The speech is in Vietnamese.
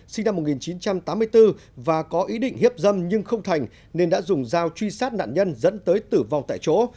sinh năm một nghìn chín trăm tám mươi bốn và có ý định hiếp dâm nhưng không thành nên đã dùng dao truy sát nạn nhân dẫn tới tử vong tại chỗ